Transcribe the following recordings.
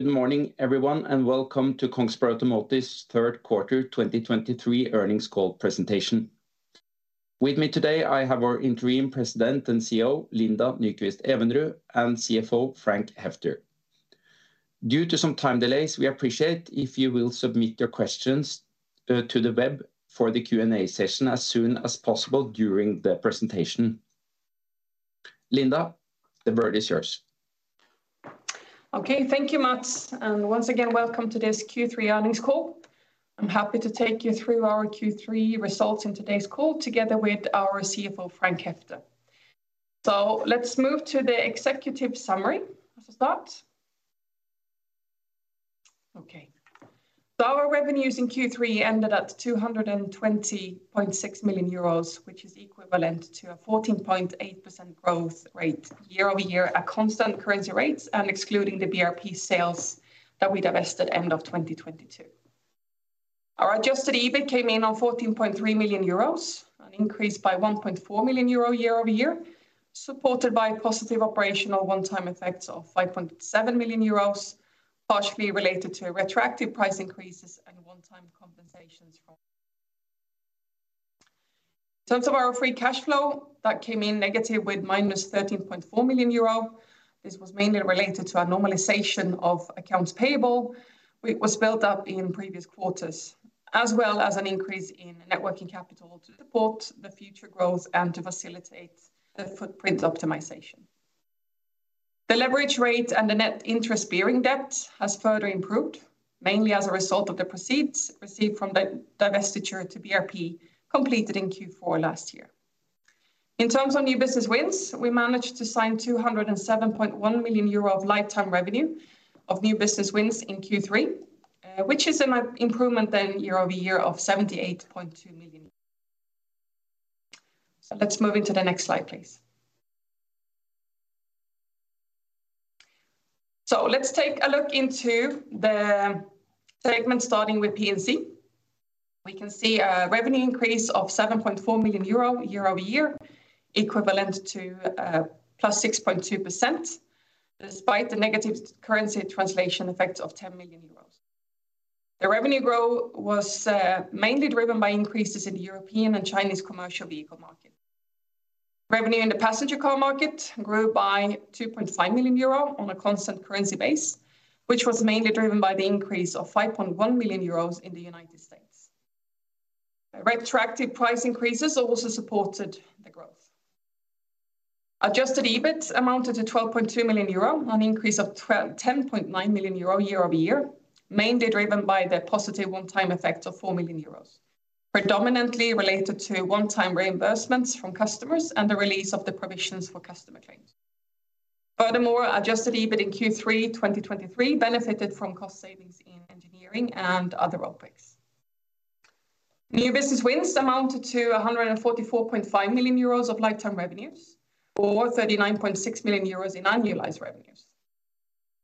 Good morning, everyone, and welcome to Kongsberg Automotive's third quarter 2023 earnings call presentation. With me today, I have our Interim President and CEO, Linda Nyquist-Evenrud, and CFO, Frank Heffter. Due to some time delays, we appreciate if you will submit your questions to the web for the Q&A session as soon as possible during the presentation. Linda, the word is yours. Okay. Thank you, Mads, and once again, welcome to this Q3 earnings call. I'm happy to take you through our Q3 results in today's call, together with our CFO, Frank Heffter. So let's move to the executive summary as a start. Okay, so our revenues in Q3 ended at 220.6 million euros, which is equivalent to a 14.8% growth rate year-over-year at constant currency rates and excluding the BRP sales that we divested end of 2022. Our adjusted EBIT came in on 14.3 million euros, an increase by 1.4 million euro year-over-year, supported by positive operational one-time effects of 5.7 million euros, partially related to retroactive price increases and one-time compensations from. In terms of our free cash flow, that came in negative with -13.4 million euro. This was mainly related to a normalization of accounts payable, which was built up in previous quarters, as well as an increase in net working capital to support the future growth and to facilitate the footprint optimization. The leverage rate and the net interest-bearing debt has further improved, mainly as a result of the proceeds received from the divestiture to BRP, completed in Q4 last year. In terms of new business wins, we managed to sign 207.1 million euro of lifetime revenue of new business wins in Q3, which is an improvement then year-over-year of 78.2 million. So let's move into the next slide, please. So let's take a look into the segment, starting with P&C. We can see a revenue increase of 7.4 million euro year-over-year, equivalent to +6.2%, despite the negative currency translation effect of 10 million euros. The revenue growth was mainly driven by increases in the European and Chinese commercial vehicle market. Revenue in the passenger car market grew by 2.5 million euro on a constant currency base, which was mainly driven by the increase of 5.1 million euros in the United States. Retrospective price increases also supported the growth. Adjusted EBIT amounted to 12.2 million euro, an increase of 10.9 million euro year-over-year, mainly driven by the positive one-time effect of 4 million euros, predominantly related to one-time reimbursements from customers and the release of the provisions for customer claims. Furthermore, Adjusted EBIT in Q3 2023 benefited from cost savings in engineering and other OpEx. New business wins amounted to 144.5 million euros of lifetime revenues or 39.6 million euros in annualized revenues.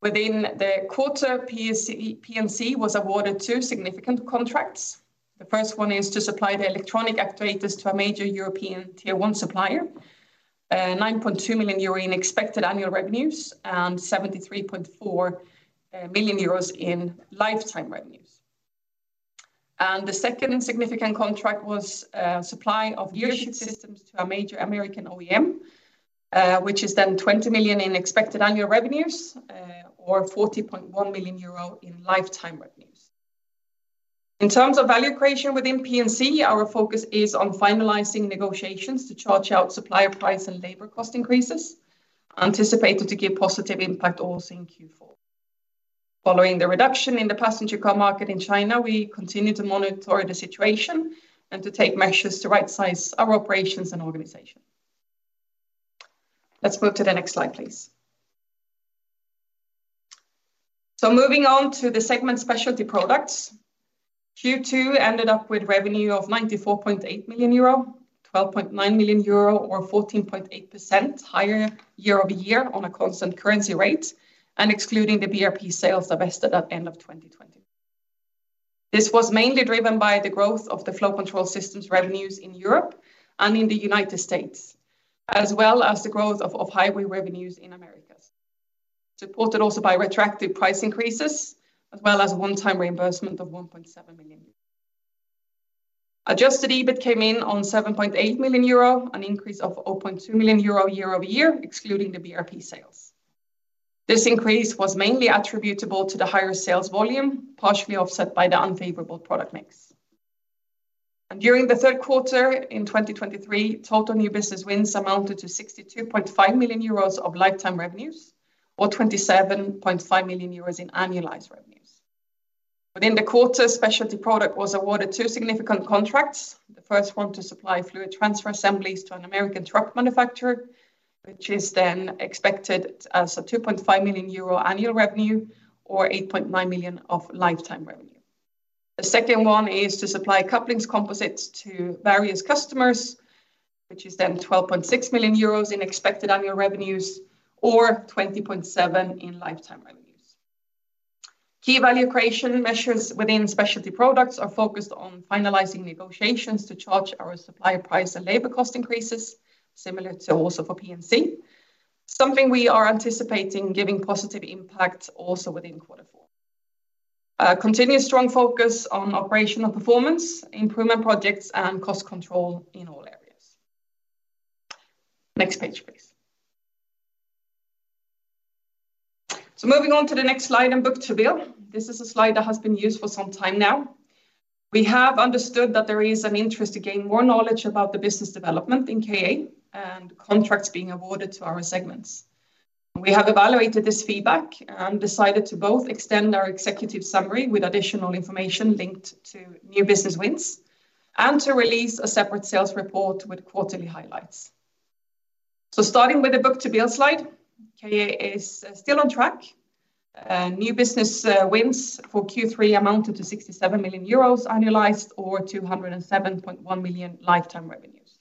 Within the quarter, P&C was awarded two significant contracts. The first one is to supply the electronic actuators to a major European Tier One supplier, 9.2 million euro in expected annual revenues and 73.4 million euros in lifetime revenues. And the second significant contract was supply of gearshift systems to a major American OEM, which is then 20 million in expected annual revenues or 40.1 million euro in lifetime revenues. In terms of value creation within P&C, our focus is on finalizing negotiations to charge out supplier price and labor cost increases, anticipated to give positive impact also in Q4. Following the reduction in the passenger car market in China, we continue to monitor the situation and to take measures to rightsize our operations and organization. Let's move to the next slide, please. So moving on to the segment Specialty Products, Q2 ended up with revenue of 94.8 million euro, 12.9 million euro or 14.8% higher year-over-year on a constant currency rate, and excluding the BRP sales divested at end of 2020. This was mainly driven by the growth of the flow control systems revenues in Europe and in the United States, as well as the growth of highway revenues in Americas, supported also by retroactive price increases, as well as a one-time reimbursement of 1.7 million. Adjusted EBIT came in on 7.8 million euro, an increase of 0.2 million euro year-over-year, excluding the BRP sales. This increase was mainly attributable to the higher sales volume, partially offset by the unfavorable product mix. And during the third quarter in 2023, total new business wins amounted to 62.5 million euros of lifetime revenues, or 27.5 million euros in annualized revenues. Within the quarter, Specialty Products was awarded two significant contracts. The first one to supply fluid transfer assemblies to an American truck manufacturer, which is then expected as a 2.5 million euro annual revenue or 8.9 million of lifetime revenue. The second one is to supply couplings composites to various customers, which is then 12.6 million euros in expected annual revenues or 20.7 million in lifetime revenues... Key value creation measures within specialty products are focused on finalizing negotiations to charge our supplier price and labor cost increases, similar to also for P&C. Something we are anticipating giving positive impact also within quarter four. Continuous strong focus on operational performance, improvement projects, and cost control in all areas. Next page, please. So moving on to the next slide on book-to-bill. This is a slide that has been used for some time now. We have understood that there is an interest to gain more knowledge about the business development in KA and contracts being awarded to our segments. We have evaluated this feedback and decided to both extend our executive summary with additional information linked to new business wins, and to release a separate sales report with quarterly highlights. Starting with the book-to-bill slide, KA is still on track. New business wins for Q3 amounted to 67 million euros annualized or 207.1 million lifetime revenues.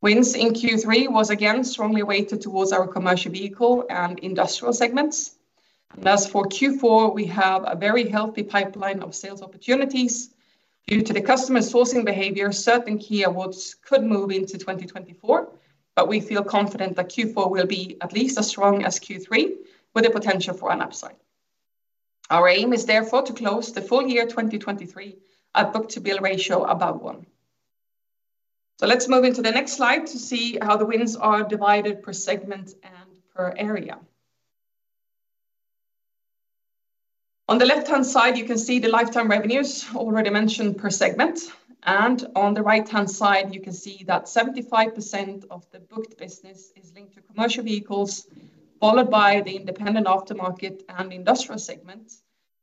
Wins in Q3 was again strongly weighted towards our commercial vehicle and industrial segments. And as for Q4, we have a very healthy pipeline of sales opportunities. Due to the customer sourcing behavior, certain key awards could move into 2024, but we feel confident that Q4 will be at least as strong as Q3, with the potential for an upside. Our aim is therefore to close the full year 2023 at book-to-bill ratio above one. So let's move into the next slide to see how the wins are divided per segment and per area. On the left-hand side, you can see the lifetime revenues already mentioned per segment, and on the right-hand side, you can see that 75% of the booked business is linked to commercial vehicles, followed by the independent aftermarket and industrial segments,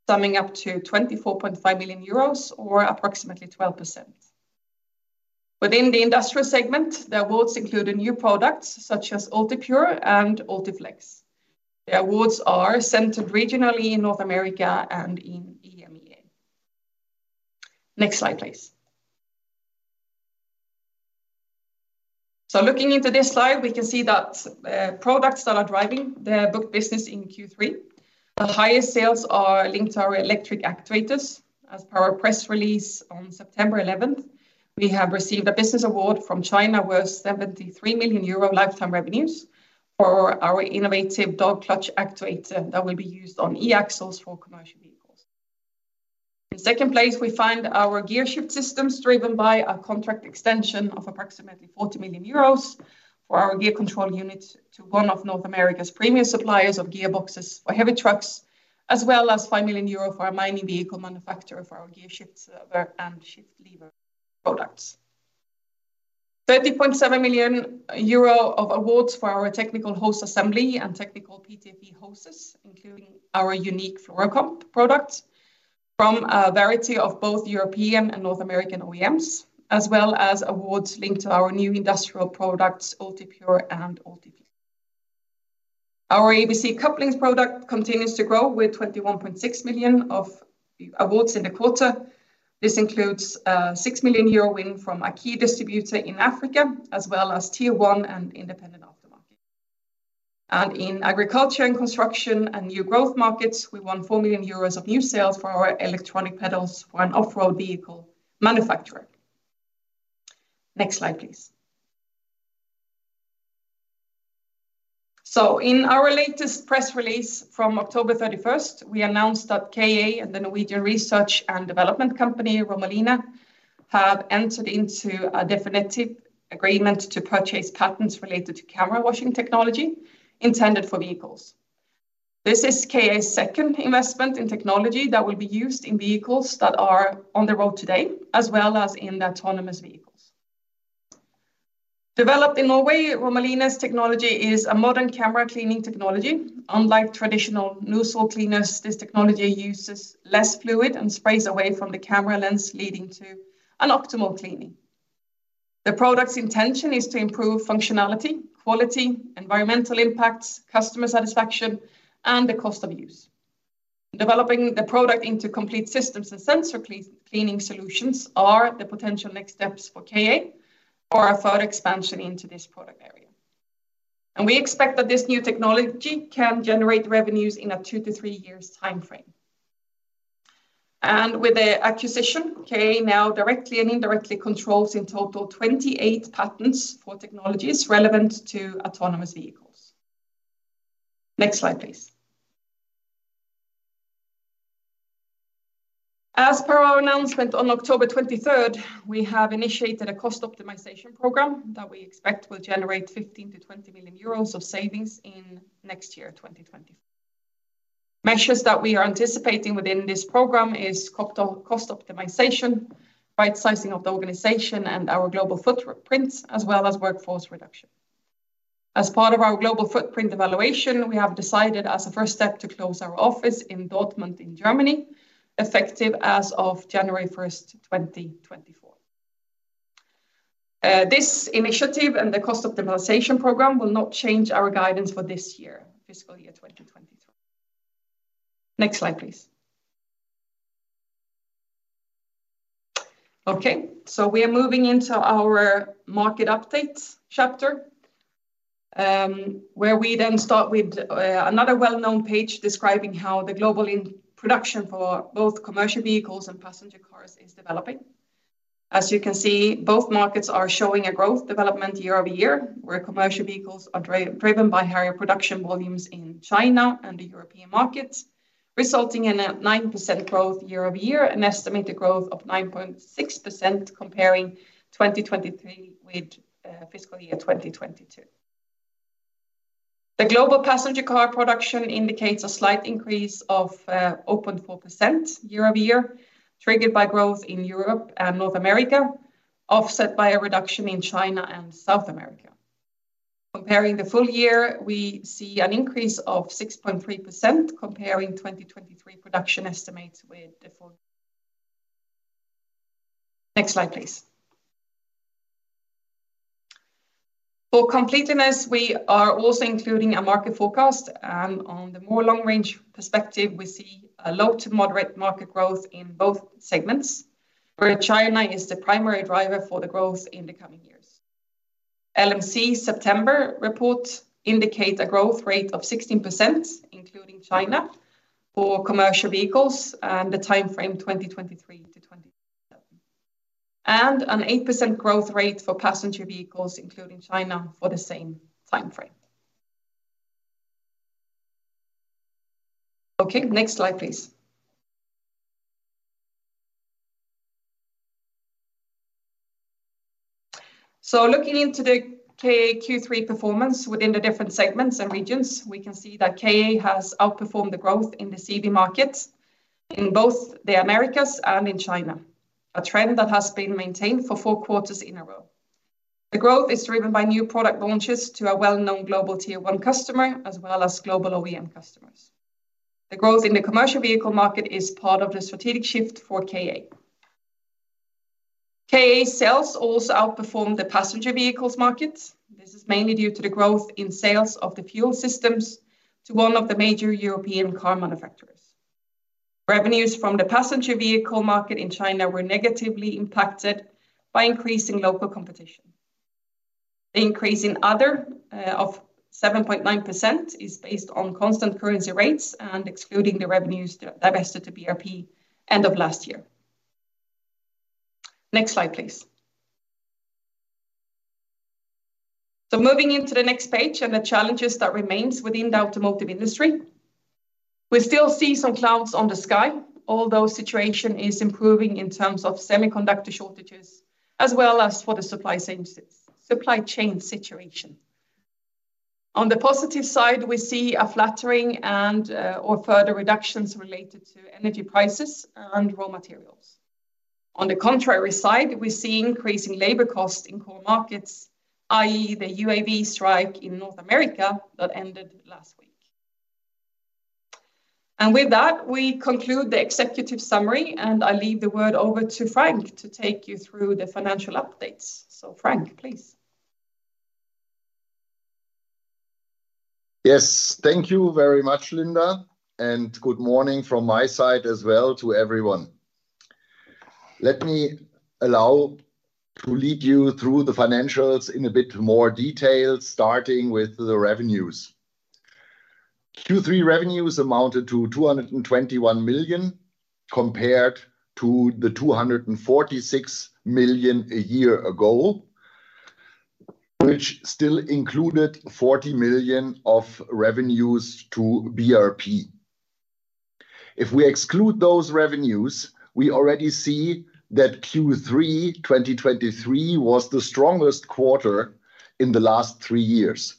summing up to 24.5 million euros, or approximately 12%. Within the industrial segment, the awards include new products such as UltiPure and UltiFlex. The awards are centered regionally in North America and in EMEA. Next slide, please. So looking into this slide, we can see that, products that are driving the book business in Q3. The highest sales are linked to our electric actuators. As per our press release on September eleventh, we have received a business award from China worth 73 million euro lifetime revenues for our innovative dog-clutch actuator that will be used on e-axles for commercial vehicles. In second place, we find our gearshift systems driven by a contract extension of approximately 40 million euros for our gear control unit to one of North America's premium suppliers of gearboxes for heavy trucks, as well as 5 million euro for our mining vehicle manufacturer for our gearshift server and shift lever products. 30.7 million euro of awards for our technical hose assembly and technical PTFE hoses, including our unique Fluoro-Comp product from a variety of both European and North American OEMs, as well as awards linked to our new industrial products, UltiPure and UltiFlex. Our ABC couplings product continues to grow with 21.6 million of awards in the quarter. This includes a 6 million euro win from a key distributor in Africa, as well as Tier One and independent aftermarket. In agriculture and construction and new growth markets, we won 4 million euros of new sales for our electronic pedals for an off-road vehicle manufacturer. Next slide, please. In our latest press release from October 31, we announced that KA and the Norwegian research and development company, Romoline, have entered into a definitive agreement to purchase patents related to camera washing technology intended for vehicles. This is KA's second investment in technology that will be used in vehicles that are on the road today, as well as in the autonomous vehicles. Developed in Norway, Romoline's technology is a modern camera cleaning technology. Unlike traditional nozzle cleaners, this technology uses less fluid and sprays away from the camera lens, leading to an optimal cleaning. The product's intention is to improve functionality, quality, environmental impacts, customer satisfaction, and the cost of use. Developing the product into complete systems and sensor clean, cleaning solutions are the potential next steps for KA for our further expansion into this product area. We expect that this new technology can generate revenues in a two to three years timeframe. With the acquisition, KA now directly and indirectly controls in total 28 patents for technologies relevant to autonomous vehicles. Next slide, please. As per our announcement on October 23rd, we have initiated a cost optimization program that we expect will generate 15-20 million euros of savings in next year, 2024. Measures that we are anticipating within this program is cost optimization, right sizing of the organization, and our global footprint, as well as workforce reduction. As part of our global footprint evaluation, we have decided, as a first step, to close our office in Dortmund in Germany, effective as of January 1, 2024. This initiative and the cost optimization program will not change our guidance for this year, fiscal year 2023. Next slide, please. Okay, so we are moving into our market updates chapter, where we then start with another well-known page describing how the global in production for both commercial vehicles and passenger cars is developing. As you can see, both markets are showing a growth development year-over-year, where commercial vehicles are driven by higher production volumes in China and the European markets, resulting in a 9% growth year-over-year, an estimated growth of 9.6% comparing 2023 with fiscal year 2022. The global passenger car production indicates a slight increase of 0.4% year-over-year, triggered by growth in Europe and North America, offset by a reduction in China and South America. Comparing the full year, we see an increase of 6.3%, comparing 2023 production estimates with the full. Next slide, please. For completeness, we are also including a market forecast, and on the more long-range perspective, we see a low to moderate market growth in both segments, where China is the primary driver for the growth in the coming years. LMC September report indicate a growth rate of 16%, including China, for commercial vehicles and the time frame 2023 to 20... And an 8% growth rate for passenger vehicles, including China, for the same time frame. Okay, next slide, please. So looking into the KA Q3 performance within the different segments and regions, we can see that KA has outperformed the growth in the CV markets in both the Americas and in China, a trend that has been maintained for four quarters in a row. The growth is driven by new product launches to a well-known global Tier One customer, as well as global OEM customers. The growth in the commercial vehicle market is part of the strategic shift for KA. KA sales also outperformed the passenger vehicles markets. This is mainly due to the growth in sales of the fuel systems to one of the major European car manufacturers. Revenues from the passenger vehicle market in China were negatively impacted by increasing local competition. The increase in other of 7.9% is based on constant currency rates and excluding the revenues divested to BRP end of last year. Next slide, please. So moving into the next page and the challenges that remains within the automotive industry, we still see some clouds on the sky, although situation is improving in terms of semiconductor shortages, as well as for the supply chain situation. On the positive side, we see a flattering and, or further reductions related to energy prices and raw materials. On the contrary side, we're seeing increasing labor costs in core markets, i.e., the UAW strike in North America that ended last week. And with that, we conclude the executive summary, and I leave the word over to Frank to take you through the financial updates. So Frank, please. Yes, thank you very much, Linda, and good morning from my side as well to everyone. Let me allow to lead you through the financials in a bit more detail, starting with the revenues. Q3 revenues amounted to 221 million, compared to the 246 million a year ago, which still included 40 million of revenues to BRP. If we exclude those revenues, we already see that Q3 2023 was the strongest quarter in the last three years.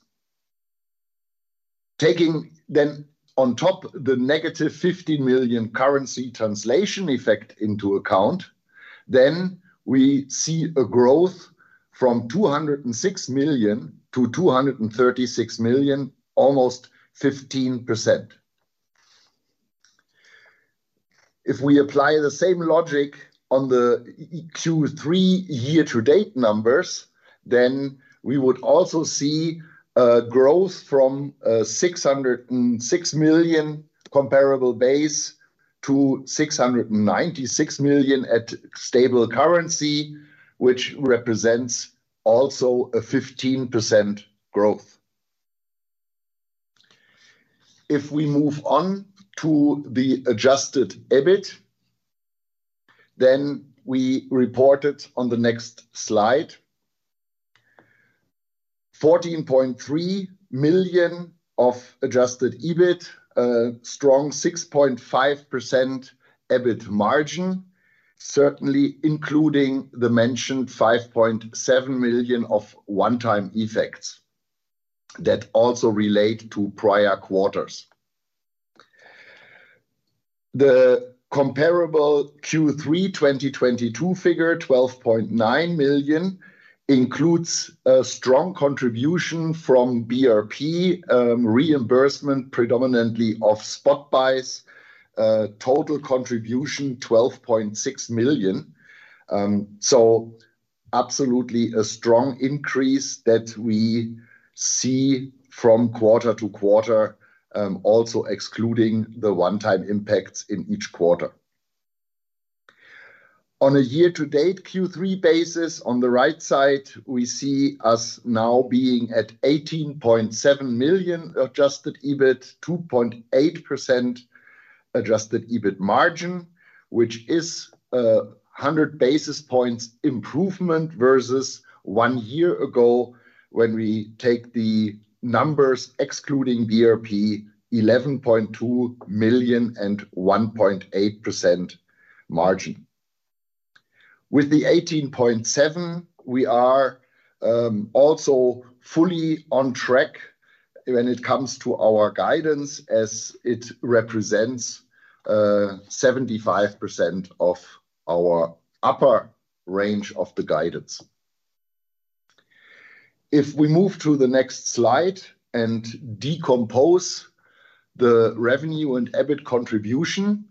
Taking then on top the negative 50 million currency translation effect into account, then we see a growth from 206 million to 236 million, almost 15%. If we apply the same logic on the Q3 year-to-date numbers, then we would also see a growth from 606 million comparable base to 696 million at stable currency, which represents also a 15% growth. If we move on to the adjusted EBIT, then we report it on the next slide. 14.3 million of adjusted EBIT, a strong 6.5% EBIT margin, certainly including the mentioned 5.7 million of one-time effects that also relate to prior quarters. The comparable Q3 2022 figure, 12.9 million, includes a strong contribution from BRP reimbursement, predominantly of spot buys, total contribution, 12.6 million. Absolutely a strong increase that we see from quarter to quarter, also excluding the one-time impacts in each quarter. On a year-to-date Q3 basis, on the right side, we see us now being at 18.7 million adjusted EBIT, 2.8% adjusted EBIT margin, which is 100 basis points improvement versus one year ago when we take the numbers excluding BRP, 11.2 million and 1.8% margin. With the 18.7 million, we are also fully on track when it comes to our guidance, as it represents 75% of our upper range of the guidance. If we move to the next slide and decompose the revenue and EBIT contribution,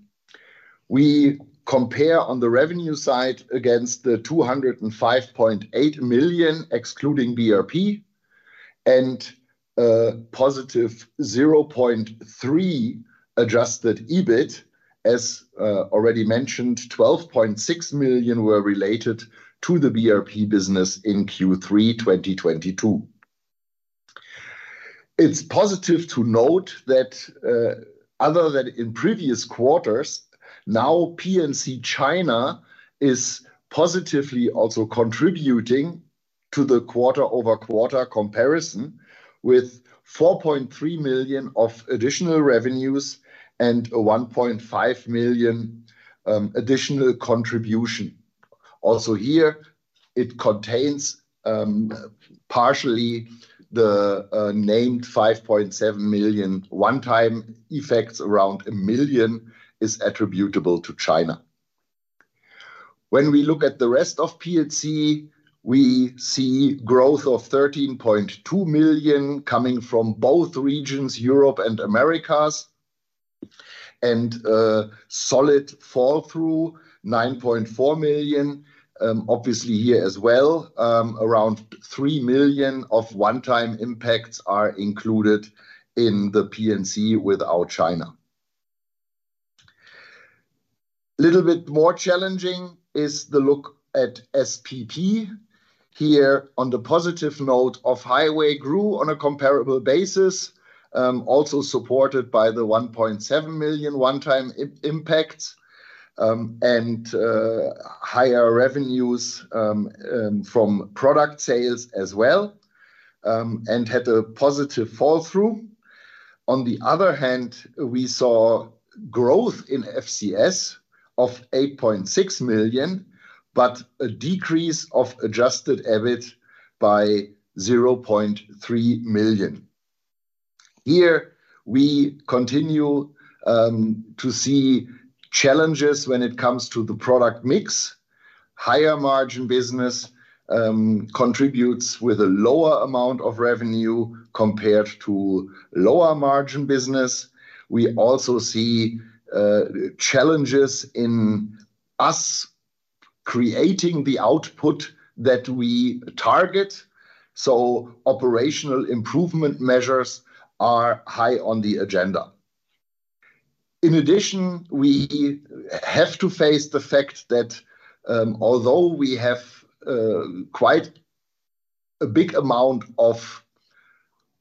we compare on the revenue side against the 205.8 million, excluding BRP, and positive 0.3 adjusted EBIT. As already mentioned, 12.6 million were related to the BRP business in Q3 2022. It's positive to note that, other than in previous quarters, now P&C China is positively also contributing to the quarter-over-quarter comparison, with 4.3 million of additional revenues and a 1.5 million additional contribution. Also here, it contains partially the named 5.7 million one-time effects. Around 1 million is attributable to China. When we look at the rest of P&C, we see growth of 13.2 million coming from both regions, Europe and Americas, and a solid fall-through, 9.4 million. Obviously here as well, around 3 million of one-time impacts are included in the P&C without China. Little bit more challenging is the look at SPP. Here, on the positive note, Highway grew on a comparable basis, also supported by the 1.7 million one-time impact, and higher revenues from product sales as well, and had a positive flow-through. On the other hand, we saw growth in FCS of 8.6 million, but a decrease of adjusted EBIT by 0.3 million. Here, we continue to see challenges when it comes to the product mix. Higher margin business contributes with a lower amount of revenue compared to lower margin business. We also see challenges in us creating the output that we target, so operational improvement measures are high on the agenda. In addition, we have to face the fact that, although we have quite a big amount of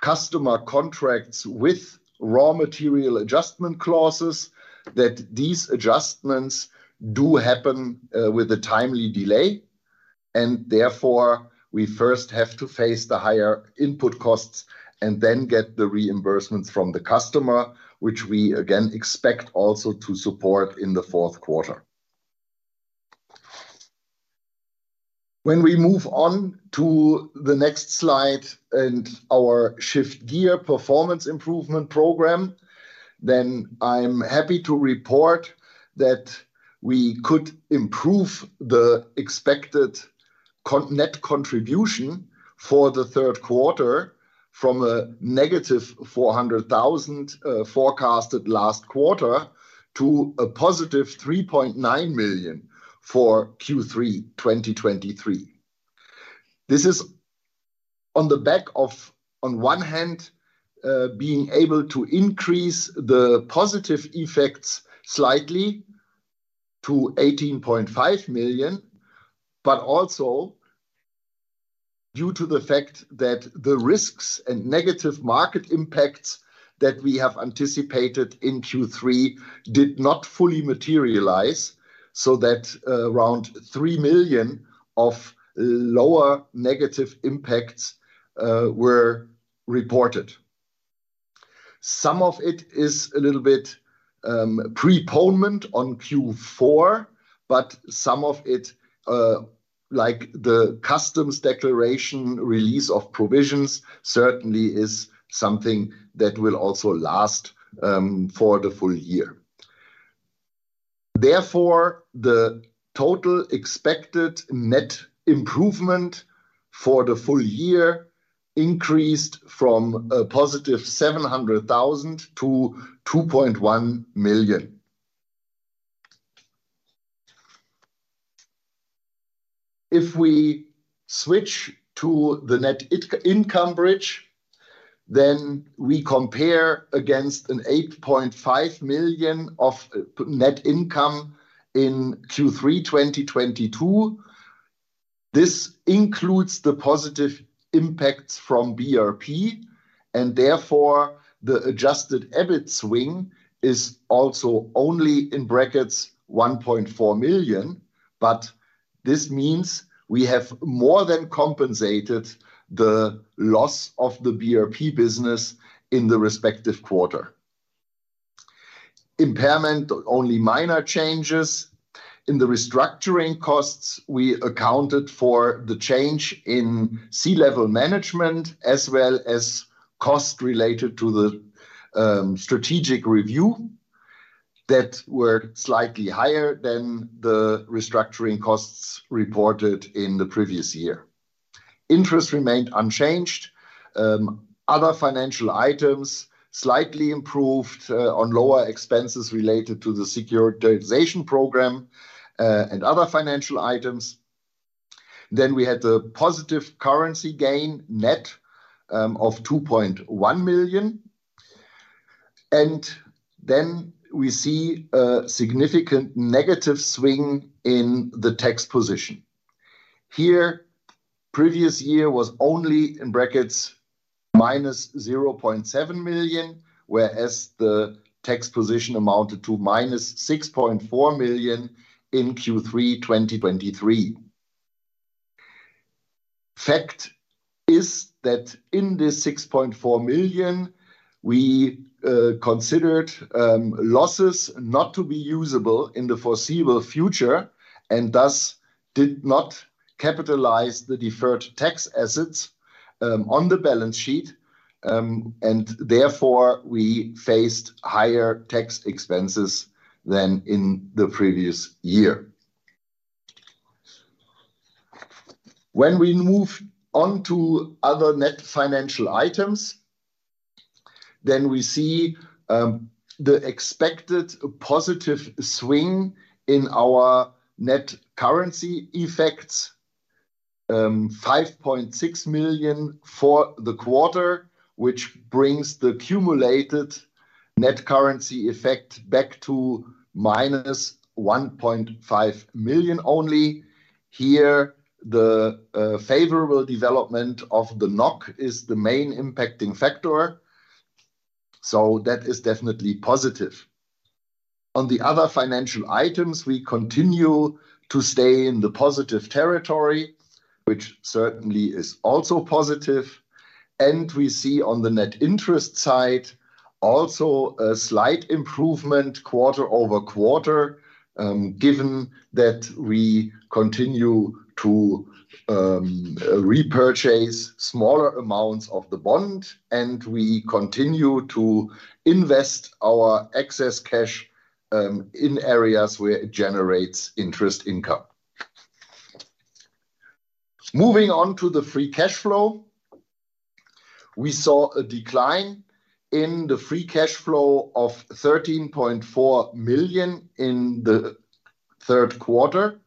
customer contracts with raw material adjustment clauses, that these adjustments do happen with a timely delay, and therefore we first have to face the higher input costs and then get the reimbursements from the customer, which we again expect also to support in the fourth quarter. When we move on to the next slide and our Shift Gear performance improvement program, then I'm happy to report that we could improve the expected net contribution for the third quarter from a -400,000 forecasted last quarter, to a +3.9 million for Q3 2023. This is on the back of, on one hand, being able to increase the positive effects slightly to 18.5 million, but also due to the fact that the risks and negative market impacts that we have anticipated in Q3 did not fully materialize, so that around 3 million of lower negative impacts were reported. Some of it is a little bit, postponement on Q4, but some of it, like the customs declaration, release of provisions, certainly is something that will also last for the full year. Therefore, the total expected net improvement for the full year increased from a +700,000 to 2.1 million.... If we switch to the net income bridge, then we compare against 8.5 million of net income in Q3 2022. This includes the positive impacts from BRP, and therefore, the adjusted EBIT swing is also only in brackets, 1.4 million. But this means we have more than compensated the loss of the BRP business in the respective quarter. Impairment, only minor changes. In the restructuring costs, we accounted for the change in C-level management, as well as costs related to the strategic review, that were slightly higher than the restructuring costs reported in the previous year. Interest remained unchanged. Other financial items slightly improved on lower expenses related to the securitization program and other financial items. Then we had the positive currency gain net of 2.1 million. And then we see a significant negative swing in the tax position. Here, previous year was only in brackets, -0.7 million, whereas the tax position amounted to -6.4 million in Q3 2023. Fact is that in this 6.4 million, we considered losses not to be usable in the foreseeable future, and thus did not capitalize the deferred tax assets on the balance sheet. And therefore, we faced higher tax expenses than in the previous year. When we move on to other net financial items, then we see the expected positive swing in our net currency effects, 5.6 million for the quarter, which brings the accumulated net currency effect back to -1.5 million only. Here, the favorable development of the NOK is the main impacting factor, so that is definitely positive. On the other financial items, we continue to stay in the positive territory, which certainly is also positive. We see on the net interest side, also a slight improvement quarter-over-quarter, given that we continue to repurchase smaller amounts of the bond, and we continue to invest our excess cash in areas where it generates interest income. Moving on to the free cash flow, we saw a decline in the free cash flow of 13.4 million in the third quarter.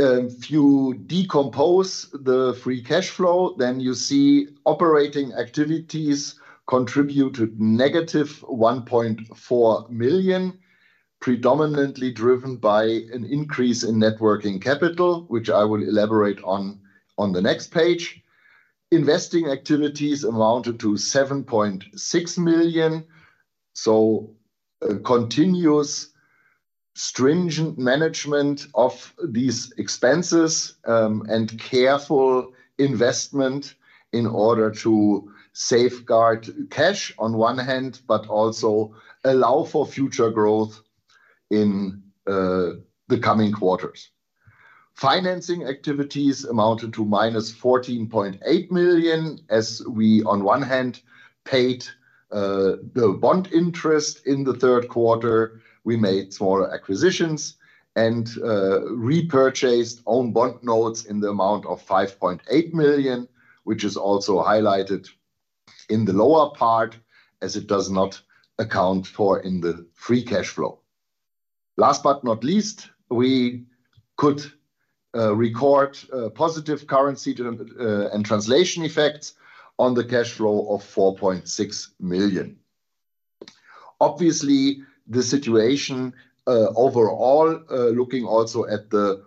If you decompose the free cash flow, then you see operating activities contributed -1.4 million, predominantly driven by an increase in Net Working Capital, which I will elaborate on, on the next page. Investing activities amounted to 7.6 million, so a continuous stringent management of these expenses, and careful investment in order to safeguard cash on one hand, but also allow for future growth in the coming quarters. Financing activities amounted to -14.8 million, as we, on one hand, paid the bond interest in the third quarter. We made smaller acquisitions and repurchased own bond notes in the amount of 5.8 million, which is also highlighted in the lower part, as it does not account for in the free cash flow. Last but not least, we could record positive currency transaction and translation effects on the cash flow of 4.6 million. Obviously, the situation, overall, looking also at the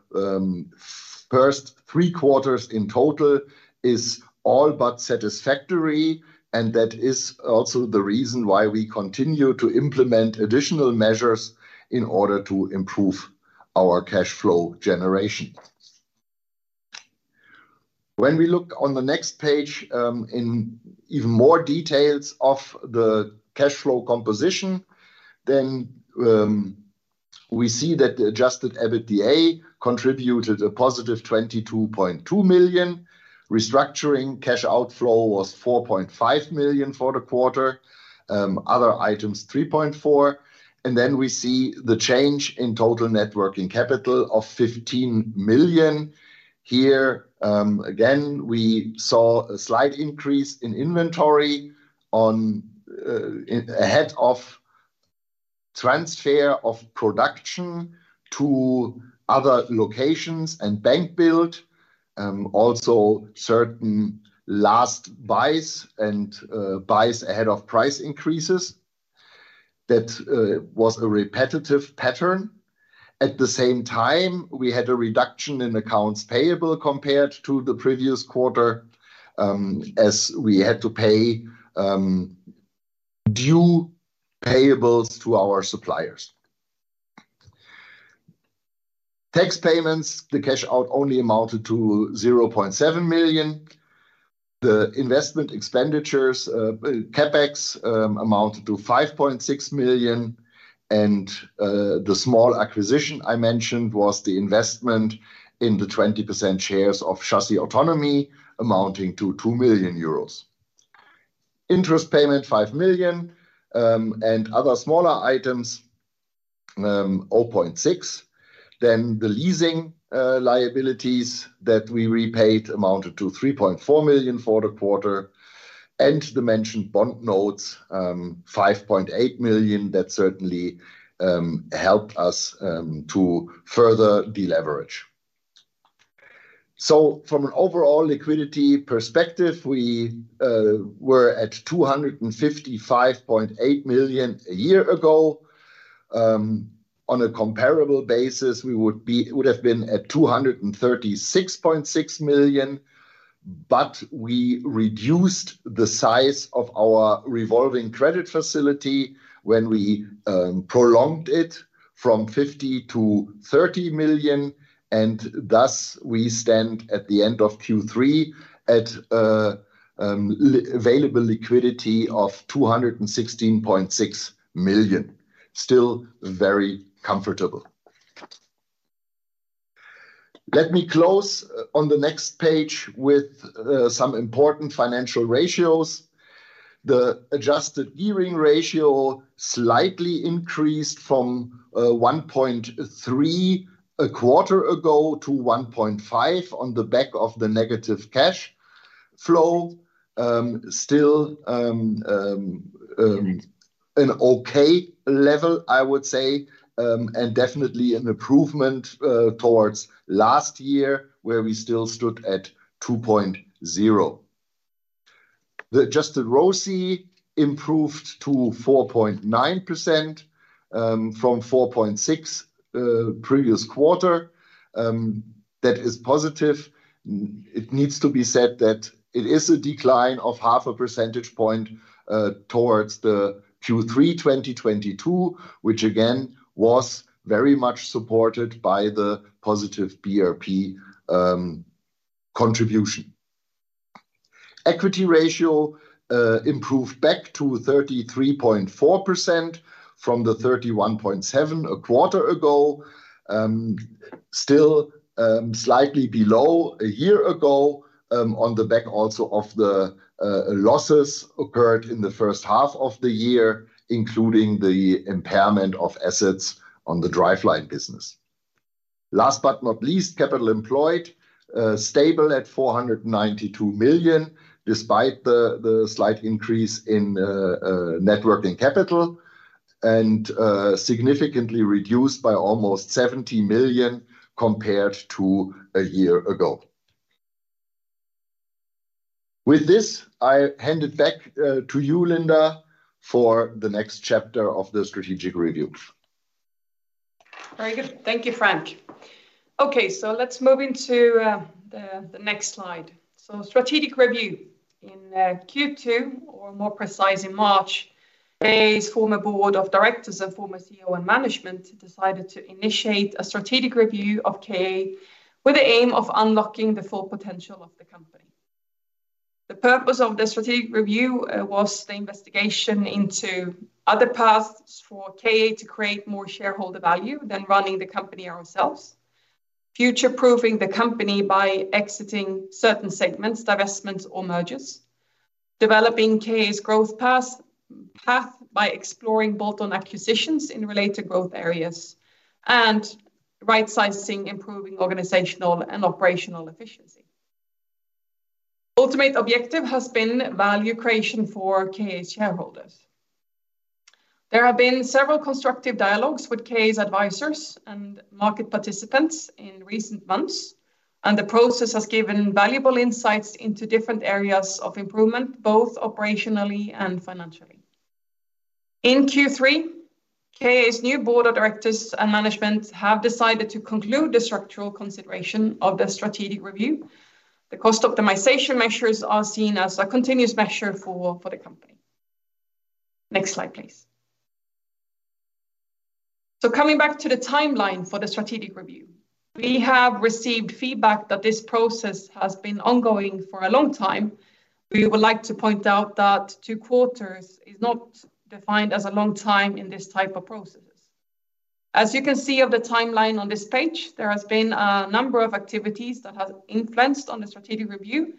first 3 quarters in total, is all but satisfactory, and that is also the reason why we continue to implement additional measures in order to improve our cash flow generation. When we look on the next page, in even more details of the cash flow composition, then we see that the adjusted EBITDA contributed a positive 22.2 million. Restructuring cash outflow was 4.5 million for the quarter, other items, 3.4 million. And then we see the change in total Net Working Capital of 15 million. Here, again, we saw a slight increase in inventory ahead of transfer of production to other locations and bank build, also certain last buys and buys ahead of price increases. That was a repetitive pattern. At the same time, we had a reduction in accounts payable compared to the previous quarter, as we had to pay due payables to our suppliers. Tax payments, the cash out only amounted to 0.7 million. The investment expenditures, CapEx, amounted to 5.6 million, and the small acquisition I mentioned was the investment in the 20% shares of Chassis Autonomy, amounting to 2 million euros. Interest payment, 5 million, and other smaller items, 0.6. Then the leasing liabilities that we repaid amounted to 3.4 million for the quarter, and the mentioned bond notes, 5.8 million. That certainly helped us to further deleverage. So from an overall liquidity perspective, we were at 255.8 million a year ago. On a comparable basis, we would have been at 236.6 million, but we reduced the size of our revolving credit facility when we prolonged it from 50 million to 30 million, and thus, we stand at the end of Q3 at available liquidity of 216.6 million. Still very comfortable. Let me close on the next page with some important financial ratios. The adjusted gearing ratio slightly increased from 1.3 a quarter ago to 1.5 on the back of the negative cash flow. Still, an okay level, I would say, and definitely an improvement towards last year, where we still stood at 2.0. The adjusted ROCE improved to 4.9% from 4.6 previous quarter. That is positive. It needs to be said that it is a decline of 0.5 percentage point towards the Q3 2022, which again, was very much supported by the positive BRP contribution. Equity ratio improved back to 33.4% from the 31.7% a quarter ago. Still, slightly below a year ago, on the back also of the losses occurred in the first half of the year, including the impairment of assets on the driveline business. Last but not least, capital employed stable at 492 million, despite the slight increase in net working capital, and significantly reduced by almost 70 million compared to a year ago. With this, I hand it back to you, Linda, for the next chapter of the strategic review. Very good. Thank you, Frank. Okay, so let's move into the, the next slide. So strategic review. In Q2, or more precise, in March, KA's former board of directors and former CEO and management decided to initiate a strategic review of KA with the aim of unlocking the full potential of the company. The purpose of the strategic review was the investigation into other paths for KA to create more shareholder value than running the company ourselves. Future-proofing the company by exiting certain segments, divestments or mergers. Developing KA's growth paths, path by exploring bolt-on acquisitions in related growth areas and right-sizing, improving organizational and operational efficiency. Ultimate objective has been value creation for KA shareholders. There have been several constructive dialogues with KA's advisors and market participants in recent months, and the process has given valuable insights into different areas of improvement, both operationally and financially. In Q3, KA's new board of directors and management have decided to conclude the structural consideration of the strategic review. The cost optimization measures are seen as a continuous measure for, for the company. Next slide, please. So coming back to the timeline for the strategic review. We have received feedback that this process has been ongoing for a long time. We would like to point out that two quarters is not defined as a long time in this type of processes. As you can see of the timeline on this page, there has been a number of activities that have influenced on the strategic review,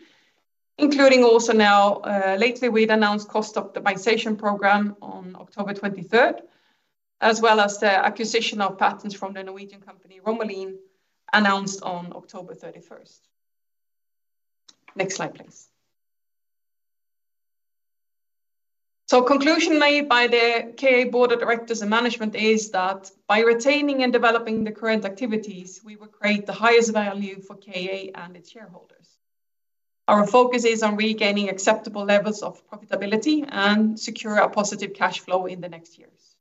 including also now, lately, we'd announced cost optimization program on October 23, as well as the acquisition of patents from the Norwegian company, Romoline, announced on October 31. Next slide, please. Conclusion made by the KA board of directors and management is that by retaining and developing the current activities, we will create the highest value for KA and its shareholders. Our focus is on regaining acceptable levels of profitability and secure a positive cash flow in the next years.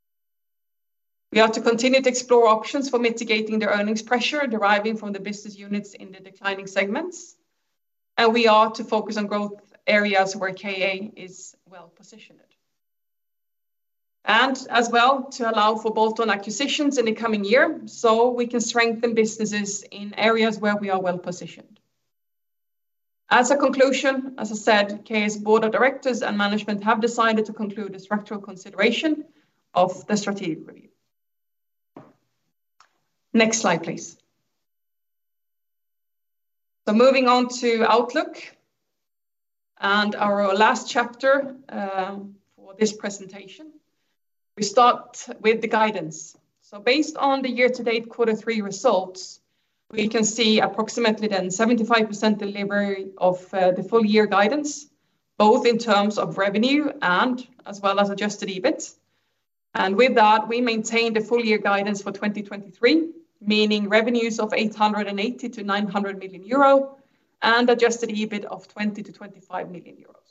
We are to continue to explore options for mitigating the earnings pressure deriving from the business units in the declining segments, and we are to focus on growth areas where KA is well positioned. As well, to allow for bolt-on acquisitions in the coming year, so we can strengthen businesses in areas where we are well positioned. As a conclusion, as I said, KA's board of directors and management have decided to conclude a structural consideration of the strategic review. Next slide, please. Moving on to outlook and our last chapter for this presentation. We start with the guidance. So based on the year-to-date Quarter Three results, we can see approximately then 75% delivery of, the full year guidance, both in terms of revenue and as well as adjusted EBIT. And with that, we maintain the full year guidance for 2023, meaning revenues of 880 million-900 million euro and adjusted EBIT of 20 million-25 million euros.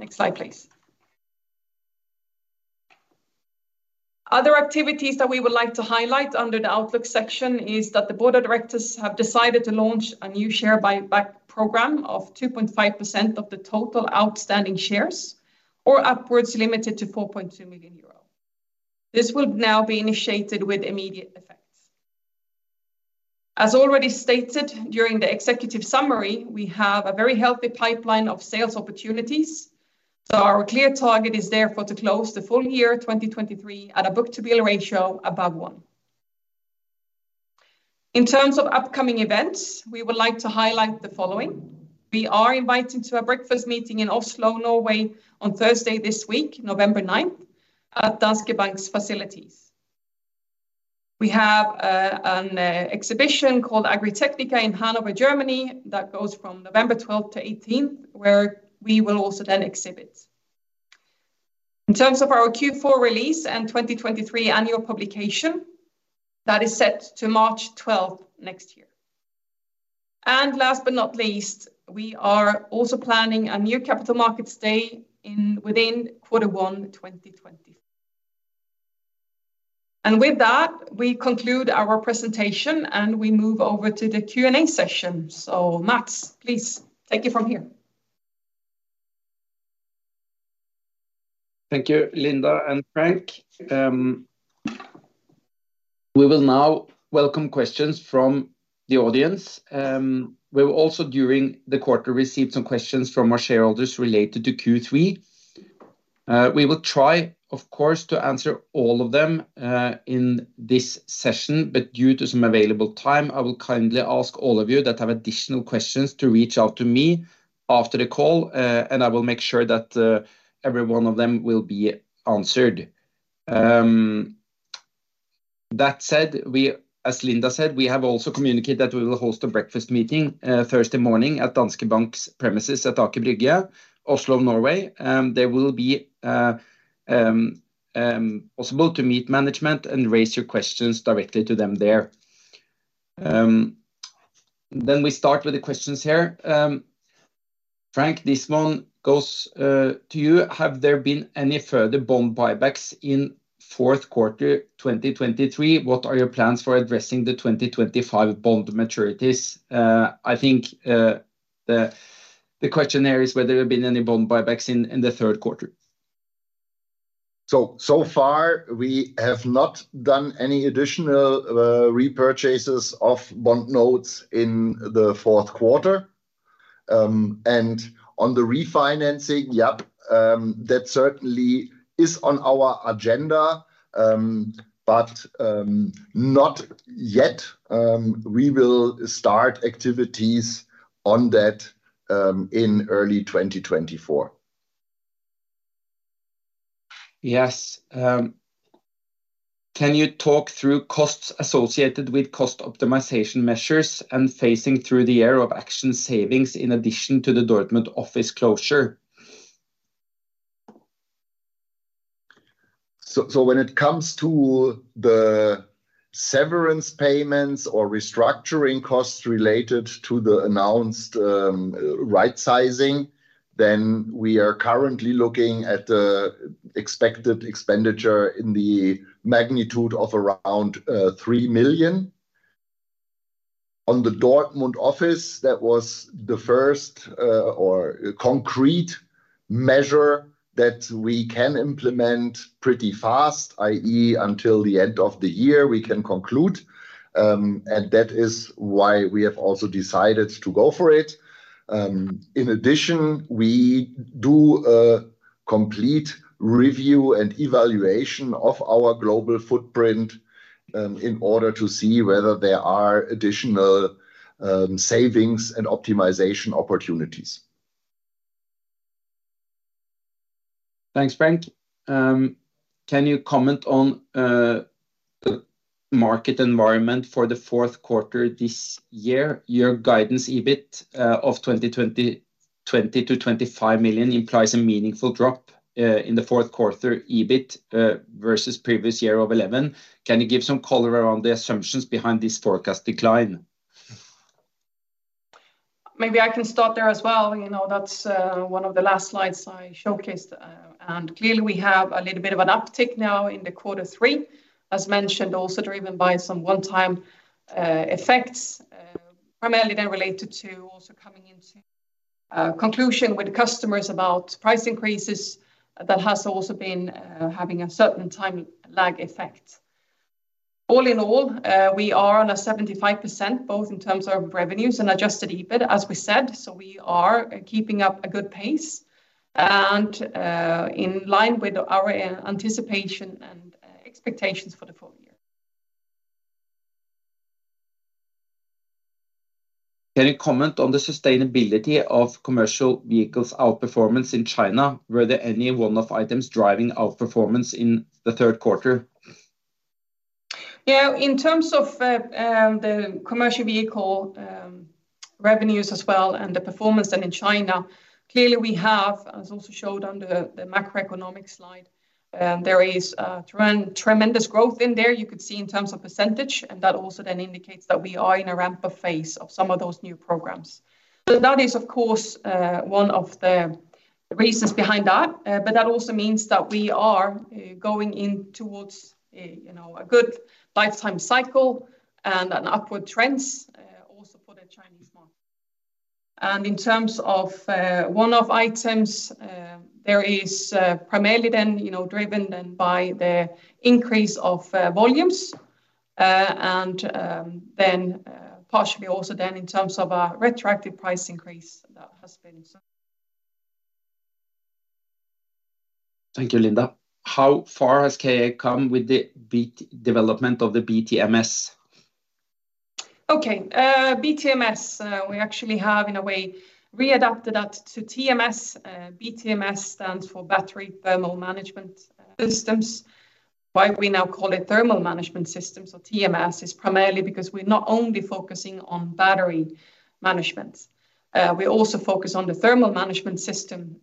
Next slide, please. Other activities that we would like to highlight under the outlook section, is that the board of directors have decided to launch a new share buyback program of 2.5% of the total outstanding shares, or upwards limited to 4.2 million euro. This will now be initiated with immediate effect. As already stated during the executive summary, we have a very healthy pipeline of sales opportunities, so our clear target is therefore to close the full year 2023 at a book-to-bill ratio above one. In terms of upcoming events, we would like to highlight the following: We are inviting to a breakfast meeting in Oslo, Norway on Thursday this week, November 9, at Danske Bank's facilities. We have an exhibition called Agritechnica in Hanover, Germany, that goes from November 12 to 18, where we will also then exhibit. In terms of our Q4 release and 2023 annual publication, that is set to March 12 next year. And last but not least, we are also planning a new capital markets day within Q1 2024. And with that, we conclude our presentation, and we move over to the Q&A session. Mads, please take it from here. Thank you, Linda and Frank. We will now welcome questions from the audience. We will also, during the quarter, receive some questions from our shareholders related to Q3. We will try, of course, to answer all of them in this session, but due to some available time, I will kindly ask all of you that have additional questions to reach out to me after the call, and I will make sure that every one of them will be answered. That said, as Linda said, we have also communicated that we will host a breakfast meeting Thursday morning at Danske Bank's premises at Aker Brygge, Oslo, Norway. There will be possible to meet management and raise your questions directly to them there. Then we start with the questions here. Frank, this one goes to you: Have there been any further bond buybacks in fourth quarter 2023? What are your plans for addressing the 2025 bond maturities? I think the question there is whether there have been any bond buybacks in the third quarter. So far, we have not done any additional repurchases of bond notes in the fourth quarter. On the refinancing, yep, that certainly is on our agenda, but not yet. We will start activities on that in early 2024. Yes. Can you talk through costs associated with cost optimization measures and phasing through the era of action savings in addition to the Dortmund office closure? So, when it comes to the severance payments or restructuring costs related to the announced right sizing, then we are currently looking at expected expenditure in the magnitude of around 3 million. On the Dortmund office, that was the first or concrete measure that we can implement pretty fast, i.e., until the end of the year, we can conclude. That is why we have also decided to go for it. In addition, we do a complete review and evaluation of our global footprint in order to see whether there are additional savings and optimization opportunities. Thanks, Frank. Can you comment on the market environment for the fourth quarter this year? Your guidance, EBIT of 20-25 million implies a meaningful drop in the fourth quarter EBIT versus previous year of 11. Can you give some color around the assumptions behind this forecast decline? Maybe I can start there as well. You know, that's one of the last slides I showcased. And clearly, we have a little bit of an uptick now in the quarter three, as mentioned, also driven by some one-time effects, primarily then related to also coming into conclusion with customers about price increases. That has also been having a certain time lag effect. All in all, we are on a 75%, both in terms of revenues and Adjusted EBIT, as we said, so we are keeping up a good pace and in line with our anticipation and expectations for the full year. Can you comment on the sustainability of commercial vehicles outperformance in China? Were there any one-off items driving outperformance in the third quarter? Yeah, in terms of the commercial vehicle revenues as well, and the performance then in China, clearly we have, as also showed under the macroeconomic slide, there is tremendous growth in there, you could see in terms of percentage, and that also then indicates that we are in a ramp-up phase of some of those new programs. So that is, of course, one of the reasons behind that, but that also means that we are going in towards a, you know, a good lifetime cycle and an upward trends also for the Chinese market. And in terms of one-off items, there is primarily then, you know, driven then by the increase of volumes, and then partially also then in terms of a retroactive price increase that has been so- Thank you, Linda. How far has KA come with the BT, development of the BTMS? Okay, BTMS, we actually have, in a way, readapted that to TMS. BTMS stands for Battery Thermal Management Systems. Why we now call it Thermal Management Systems or TMS is primarily because we're not only focusing on battery management, we also focus on the thermal management system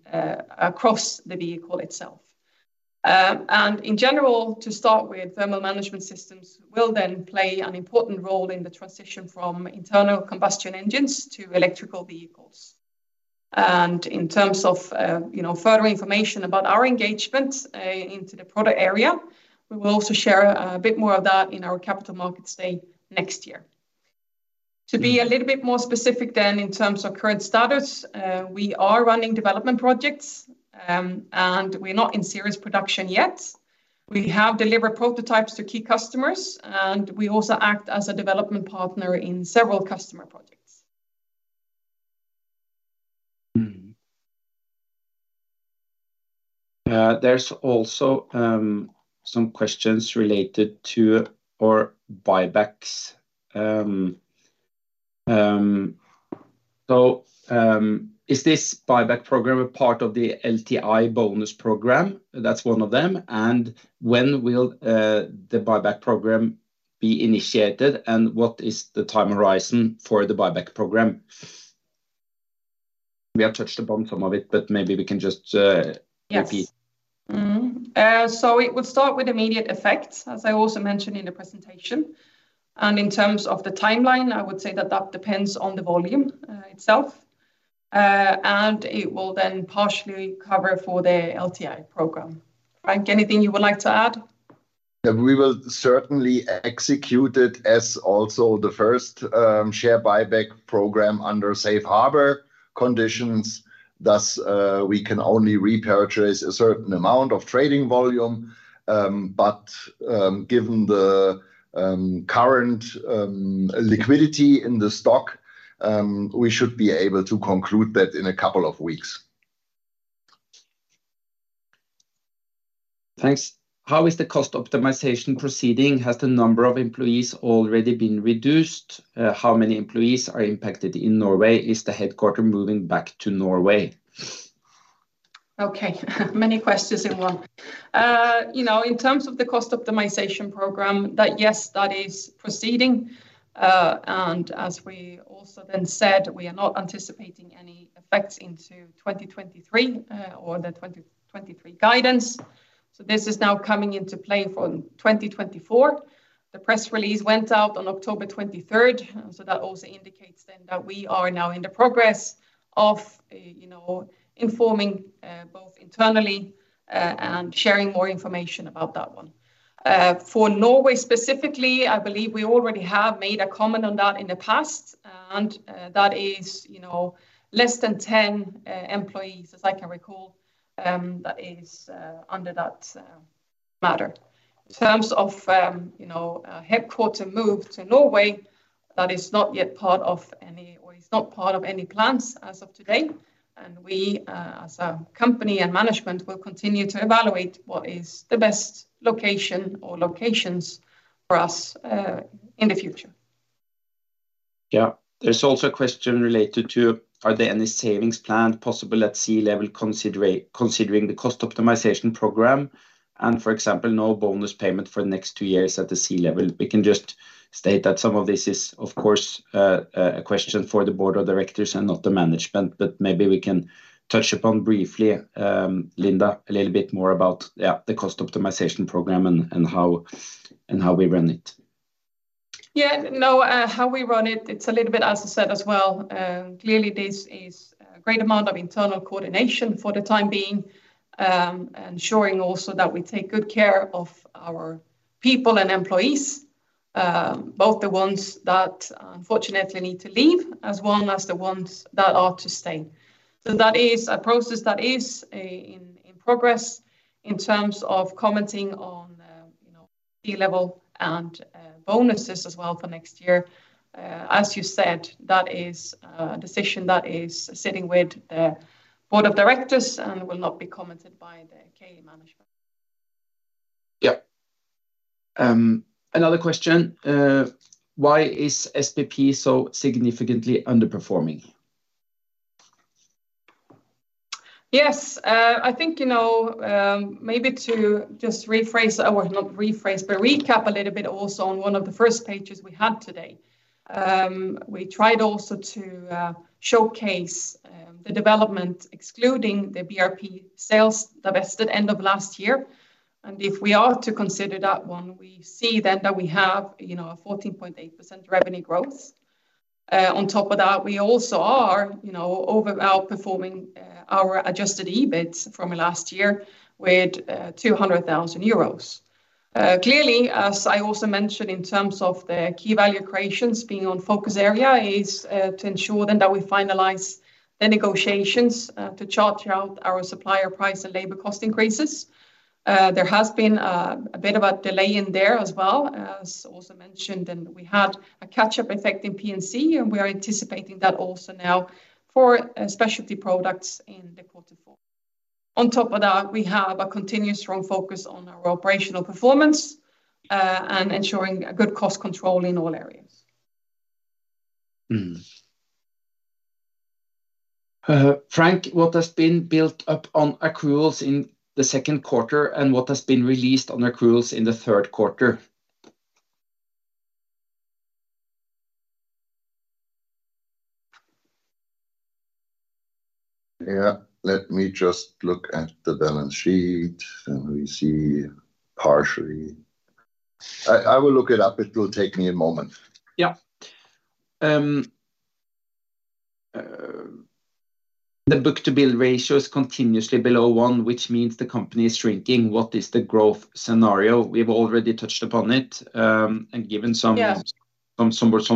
across the vehicle itself. In general, to start with, thermal management systems will then play an important role in the transition from internal combustion engines to electrical vehicles. In terms of, you know, further information about our engagement into the product area, we will also share a bit more of that in our capital markets day next year. To be a little bit more specific then, in terms of current status, we are running development projects, and we're not in serious production yet. We have delivered prototypes to key customers, and we also act as a development partner in several customer projects. Mm-hmm. There's also some questions related to our buybacks. Is this buyback program a part of the LTI bonus program? That's one of them. And when will the buyback program be initiated, and what is the time horizon for the buyback program? We have touched upon some of it, but maybe we can just, Yes. Repeat. Mm-hmm. So it would start with immediate effects, as I also mentioned in the presentation. And in terms of the timeline, I would say that that depends on the volume itself. And it will then partially cover for the LTI program. Frank, anything you would like to add? Yeah, we will certainly execute it as also the first share buyback program under safe harbor conditions. Thus, we can only repurchase a certain amount of trading volume. But, given the current liquidity in the stock, we should be able to conclude that in a couple of weeks. Thanks. How is the cost optimization proceeding? Has the number of employees already been reduced? How many employees are impacted in Norway? Is the headquarters moving back to Norway? Okay, many questions in one. You know, in terms of the cost optimization program, that yes, that is proceeding. And as we also then said, we are not anticipating any effects into 2023, or the 2023 guidance. So this is now coming into play for 2024. The press release went out on October 23rd, so that also indicates then that we are now in the progress of, you know, informing, both internally, and sharing more information about that one. For Norway specifically, I believe we already have made a comment on that in the past, and, that is, you know, less than 10 employees, as I can recall, that is, under that matter. In terms of, you know, headquarters move to Norway, that is not yet part of any... or is not part of any plans as of today. And we, as a company and management, will continue to evaluate what is the best location or locations for us, in the future. Yeah. There's also a question related to: Are there any savings planned possible at C-level, considering the cost optimization program, and for example, no bonus payment for the next two years at the C-level? We can just state that some of this is, of course, a question for the board of directors and not the management, but maybe we can touch upon briefly, Linda, a little bit more about, yeah, the cost optimization program and how we run it. Yeah, no, how we run it, it's a little bit, as I said as well, clearly this is a great amount of internal coordination for the time being, ensuring also that we take good care of our people and employees, both the ones that unfortunately need to leave, as well as the ones that are to stay. So that is a process that is in progress. In terms of commenting on, you know, C-level and bonuses as well for next year, as you said, that is a decision that is sitting with the board of directors and will not be commented by the KA management. Yeah. Another question: Why is SPP so significantly underperforming? Yes, I think, you know, maybe to just rephrase or not rephrase, but recap a little bit also on one of the first pages we had today. We tried also to showcase the development, excluding the BRP sales that vested end of last year. And if we are to consider that one, we see then that we have, you know, a 14.8% revenue growth. On top of that, we also are, you know, over outperforming our adjusted EBIT from last year with 200,000 euros. Clearly, as I also mentioned, in terms of the key value creations being on focus area is to ensure then that we finalize the negotiations to chart out our supplier price and labor cost increases. There has been a bit of a delay in there as well, as also mentioned, and we had a catch-up effect in P&C, and we are anticipating that also now for specialty products in the quarter four. On top of that, we have a continuous strong focus on our operational performance, and ensuring a good cost control in all areas. Mm-hmm. Frank, what has been built up on accruals in the second quarter, and what has been released on accruals in the third quarter? Yeah. Let me just look at the balance sheet, and we see partially. I, I will look it up. It will take me a moment. Yeah. The book-to-bill ratio is continuously below one, which means the company is shrinking. What is the growth scenario? We've already touched upon it, and given some- Yeah... some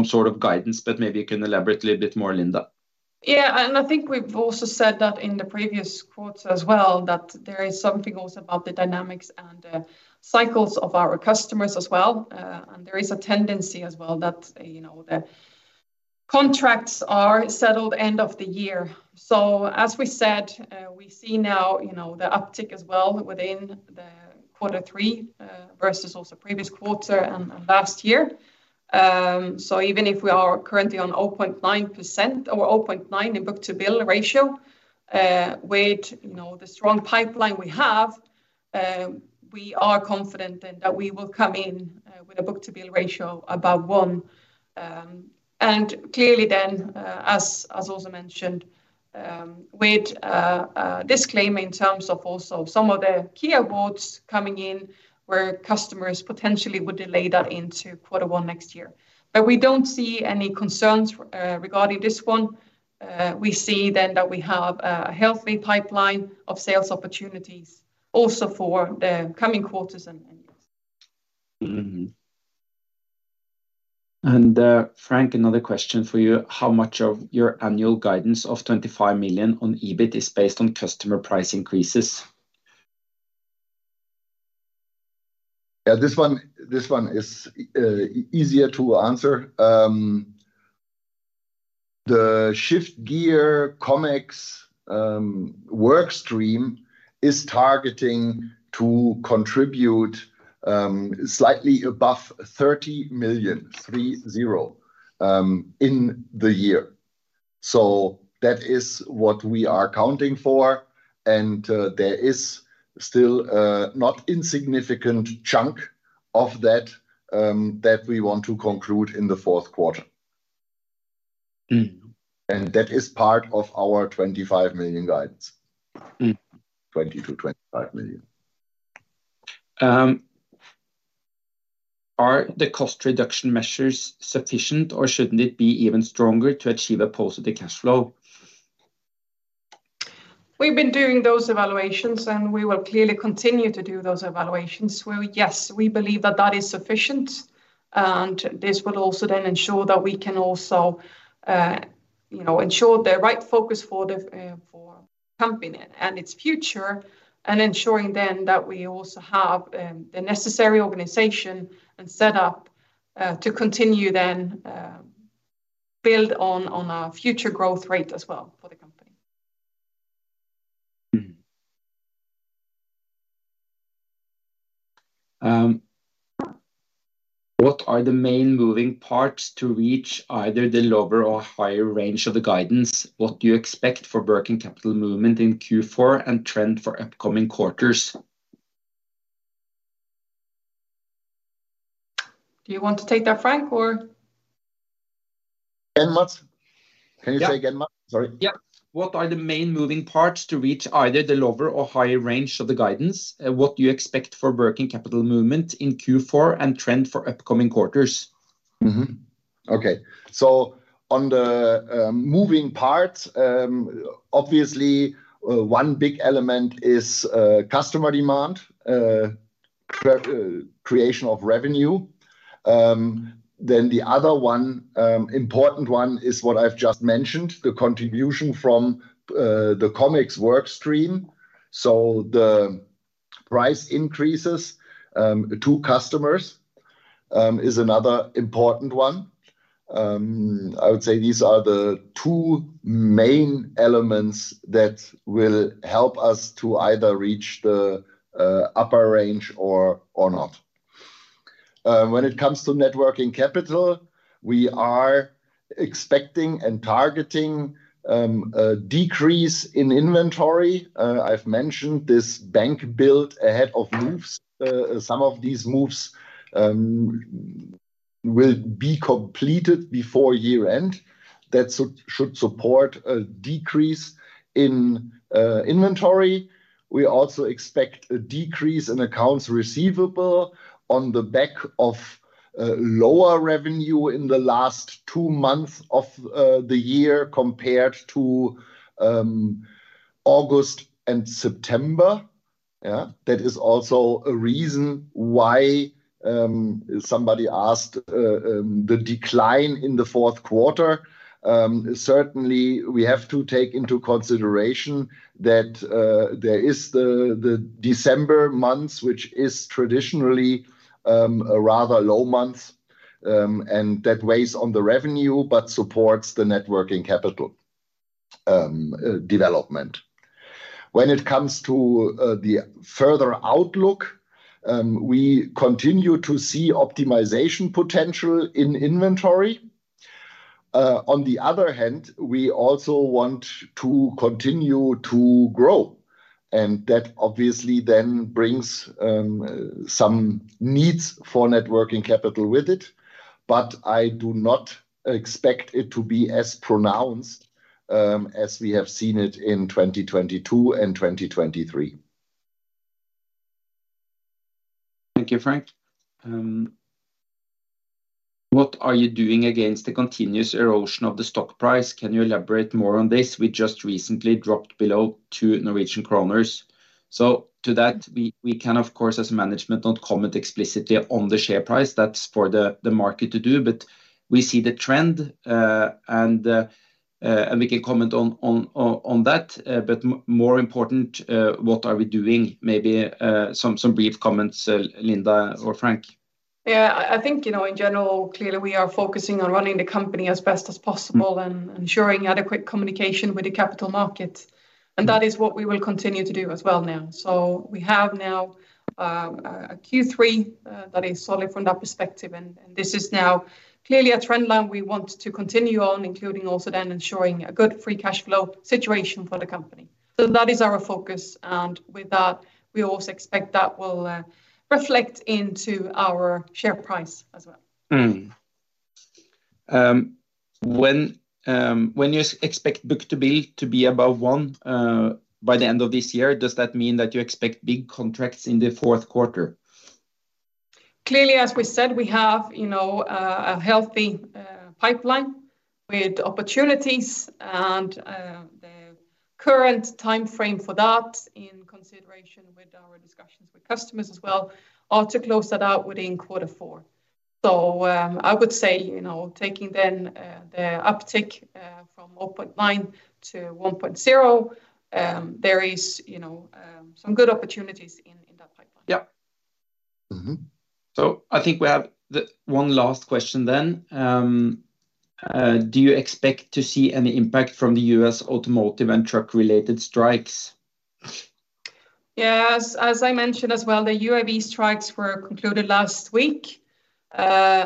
sort of guidance, but maybe you can elaborate a little bit more, Linda? Yeah, and I think we've also said that in the previous quotes as well, that there is something also about the dynamics and cycles of our customers as well. And there is a tendency as well that, you know, the contracts are settled end of the year. So as we said, we see now, you know, the uptick as well within quarter three, versus also previous quarter and last year. So even if we are currently on 0.9% or 0.9 in book-to-bill ratio, with, you know, the strong pipeline we have, we are confident then that we will come in with a book-to-bill ratio above one. And clearly then, as also mentioned, with disclaimer in terms of also some of the key awards coming in, where customers potentially would delay that into quarter one next year. But we don't see any concerns regarding this one. We see then that we have a healthy pipeline of sales opportunities also for the coming quarters and years. Mm-hmm. Frank, another question for you: How much of your annual guidance of 25 million on EBIT is based on customer price increases? Yeah, this one, this one is easier to answer. The Shift Gear ComEx workstream is targeting to contribute slightly above 30 million in the year. So that is what we are accounting for, and there is still a not insignificant chunk of that that we want to conclude in the fourth quarter. Mm-hmm. That is part of our 25 million guidance. Mm-hmm. 20 million-25 million. Are the cost reduction measures sufficient, or shouldn't it be even stronger to achieve a positive cash flow? We've been doing those evaluations, and we will clearly continue to do those evaluations, where yes, we believe that that is sufficient, and this will also then ensure that we can also, you know, ensure the right focus for the company and its future, and ensuring then that we also have the necessary organization and setup to continue then build on our future growth rate as well. What are the main moving parts to reach either the lower or higher range of the guidance? What do you expect for working capital movement in Q4 and trend for upcoming quarters? Do you want to take that, Frank, or? Can you say again much? Sorry. Yeah. What are the main moving parts to reach either the lower or higher range of the guidance? What do you expect for working capital movement in Q4 and trend for upcoming quarters? Mm-hmm. Okay, so on the moving parts, obviously, one big element is customer demand, creation of revenue. Then the other one, important one is what I've just mentioned, the contribution from the ComEx work stream. So the price increases to customers is another important one. I would say these are the two main elements that will help us to either reach the upper range or not. When it comes to Net Working Capital, we are expecting and targeting a decrease in inventory. I've mentioned this bank build ahead of moves. Some of these moves will be completed before year-end. That should support a decrease in inventory. We also expect a decrease in accounts receivable on the back of lower revenue in the last two months of the year compared to August and September. Yeah, that is also a reason why somebody asked the decline in the fourth quarter. Certainly, we have to take into consideration that there is the December months, which is traditionally a rather low month, and that weighs on the revenue, but supports the net working capital development. When it comes to the further outlook, we continue to see optimization potential in inventory. On the other hand, we also want to continue to grow, and that obviously then brings some needs for net working capital with it, but I do not expect it to be as pronounced as we have seen it in 2022 and 2023. Thank you, Frank. What are you doing against the continuous erosion of the stock price? Can you elaborate more on this? We just recently dropped below 2 Norwegian kroner. So to that, we can, of course, as management, not comment explicitly on the share price. That's for the market to do, but we see the trend, and we can comment on that. But more important, what are we doing? Maybe some brief comments, Linda or Frank. Yeah, I think, you know, in general, clearly, we are focusing on running the company as best as possible- Mm... and ensuring adequate communication with the capital markets, and that is what we will continue to do as well now. So we have now, a Q3, that is solid from that perspective, and, and this is now clearly a trend line we want to continue on, including also then ensuring a good free cash flow situation for the company. So that is our focus, and with that, we also expect that will, reflect into our share price as well. When you expect book-to-bill to be above one gearshift systemsby the end of this year, does that mean that you expect big contracts in the fourth quarter? Clearly, as we said, we have, you know, a healthy pipeline with opportunities and the current time frame for that, in consideration with our discussions with customers as well, are to close that out within quarter four. So, I would say, you know, taking then the uptick from open line to 1.0, there is, you know, some good opportunities in, in that pipeline. Yeah. Mm-hmm. I think we have the one last question then. Do you expect to see any impact from the U.S. automotive and truck-related strikes? Yes, as I mentioned as well, the UAW strikes were concluded last week. Clearly,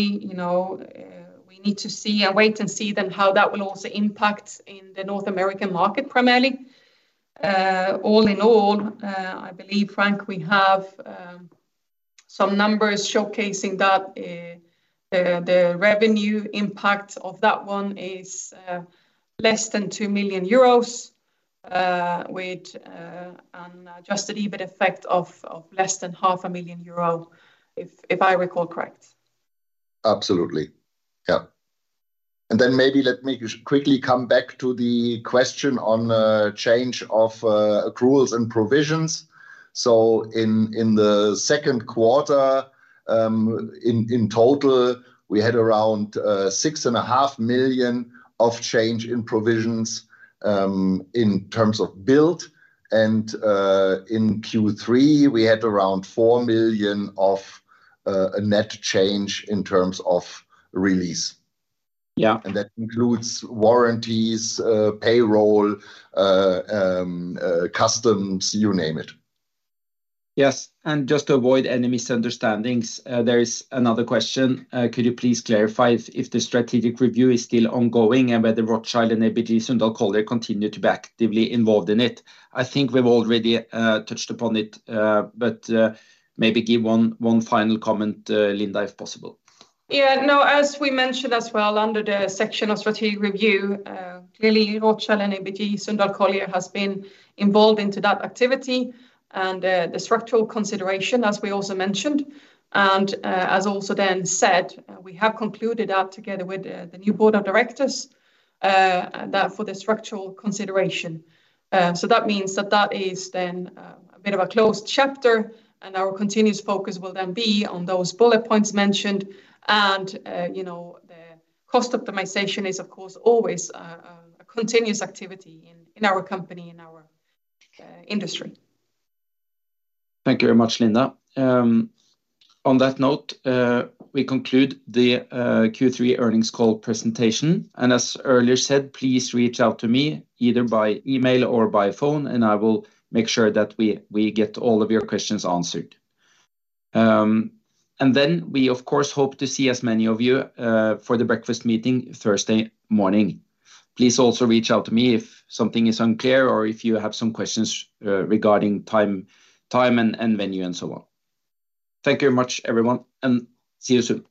you know, we need to see and wait and see then how that will also impact in the North American market primarily. All in all, I believe, Frank, we have some numbers showcasing that the revenue impact of that one is less than 2 million euros, with an adjusted EBIT effect of less than 0.5 million euro, if I recall correct. Absolutely. Yeah. And then maybe let me just quickly come back to the question on change of accruals and provisions. So in the second quarter, in total, we had around 6.5 million of change in provisions in terms of build, and in Q3, we had around 4 million of a net change in terms of release. Yeah. That includes warranties, payroll, customs, you name it. Yes, and just to avoid any misunderstandings, there is another question. Could you please clarify if the strategic review is still ongoing and whether Rothschild and ABG Sundal Collier continue to be actively involved in it? I think we've already touched upon it, but maybe give one final comment, Linda, if possible. Yeah. No, as we mentioned as well, under the section of strategic review, clearly, Rothschild and ABG Sundal Collier has been involved into that activity and, the structural consideration, as we also mentioned, and, as also then said, we have concluded that together with, the new board of directors, that for the structural consideration. So that means that that is then, a bit of a closed chapter, and our continuous focus will then be on those bullet points mentioned. And, you know, the cost optimization is, of course, always, a continuous activity in our company, in our industry. Thank you very much, Linda. On that note, we conclude the Q3 earnings call presentation. As earlier said, please reach out to me either by email or by phone, and I will make sure that we get all of your questions answered. Then we, of course, hope to see as many of you for the breakfast meeting Thursday morning. Please also reach out to me if something is unclear or if you have some questions regarding time and venue, and so on. Thank you very much, everyone, and see you soon.